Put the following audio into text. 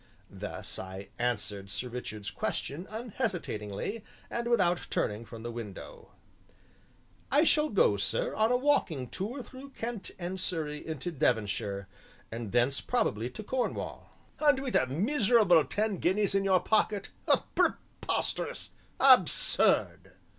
Thus I answered Sir Richard's question unhesitatingly, and without turning from the window: "I shall go, sir, on a walking tour through Kent and Surrey into Devonshire, and thence probably to Cornwall." "And with a miserable ten guineas in your pocket? Preposterous absurd!"